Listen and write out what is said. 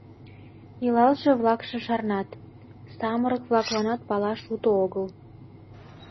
Илалше-влакше шарнат, самырык-влакланат палаш уто огыл...